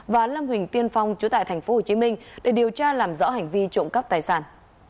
và lâm huỳnh tiên phong chú tại tp hcm để điều tra làm rõ hành vi trộm cắp tài sản